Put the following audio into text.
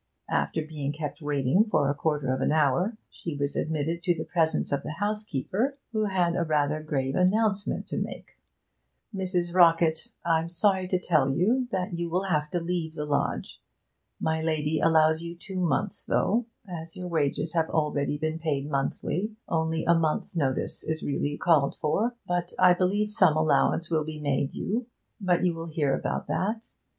After being kept waiting for a quarter of an hour she was admitted to the presence of the housekeeper, who had a rather grave announcement to make. 'Mrs. Rockett, I'm sorry to tell you that you will have to leave the lodge. My lady allows you two months, though, as your wages have always been paid monthly, only a month's notice is really called for. I believe some allowance will be made you, but you will hear about that.